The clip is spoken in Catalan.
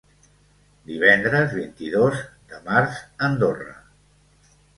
Divendres vint-i-dos de març- Andorra.